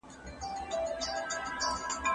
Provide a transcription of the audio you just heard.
زه بايد مېوې وخورم؟!